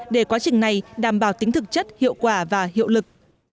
để quá trình này đảm bảo tính thực chất hiệu quả và hiệu lực